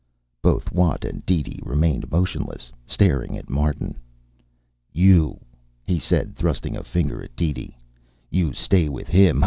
Both Watt and DeeDee remained motionless, staring at Martin. "You," he said, thrusting a finger at DeeDee. "You stay with him.